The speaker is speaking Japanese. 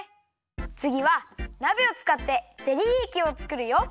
つぎはなべをつかってゼリーえきをつくるよ！